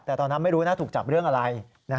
แต่ตอนนั้นไม่รู้นะถูกจับเรื่องอะไร